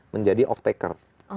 menjadi off taker